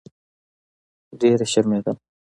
ډېره شرمېدم.